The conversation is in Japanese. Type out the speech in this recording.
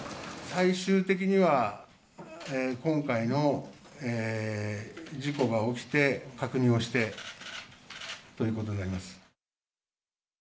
最終的には、今回の事故が起きて、確認をしてということになります。